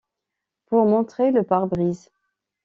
Pour montrer le pare-brise.